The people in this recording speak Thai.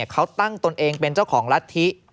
เขาตั้งตนเองเป็นเจ้าของรัฐธิ